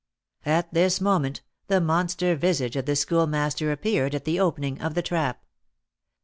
At this moment the monster visage of the Schoolmaster appeared at the opening of the trap.